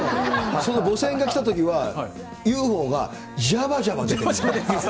その母船が来たときは、ＵＦＯがじゃばじゃば出てくるって。